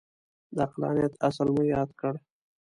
د عقلانیت اصل مو یاد کړ.